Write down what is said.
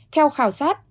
theo khảo sát